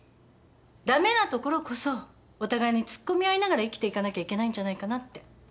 駄目なところこそお互いにツッコみ合いながら生きていかなきゃいけないんじゃないかなって。